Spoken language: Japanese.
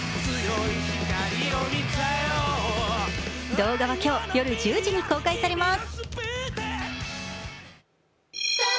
動画は今日夜１０時に公開されます。